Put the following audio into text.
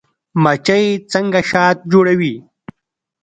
مچۍ څنګه شات جوړوي؟